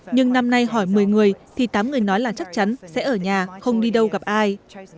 nhưng năm nay hỏi một mươi người thì tám người nói là chắc chắn sẽ ở nhà không đi đâu gặp ai